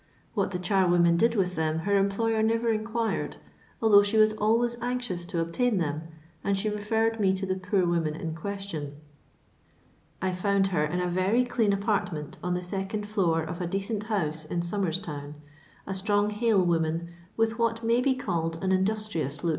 What the charwoman did with them her employer never inquired, although she was always anxious to obtain them, and she referred me to the poor woman in question. I found her in a very clean apartment on the second floor of a decent house in Somers town ; a strong hale woman, with what may be called an indus trious look.